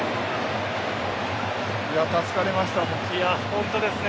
助かりましたね。